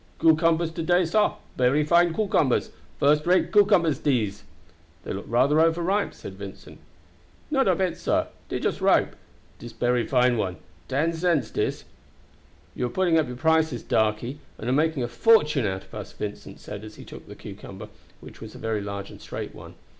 "Cucumbers to day, sah? Berry fine cucumbers first rate cucumbers dese." "They look rather over ripe," Vincent said. "Not a bit, sah; dey just ripe. Dis berry fine one ten cents dis." "You are putting up your prices, darkey, and are making a fortune out of us," Vincent said as he took the cucumber, which was a very large and straight one.